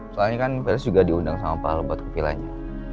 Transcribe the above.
soalnya kan felis juga diundang sama pak loe buat kepilainya